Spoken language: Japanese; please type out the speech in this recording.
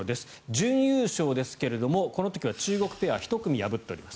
準優勝ですけれど、この時は中国ペアを１組破っております。